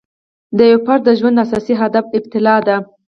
د یو فرد د ژوند اساسي هدف ابتلأ دی.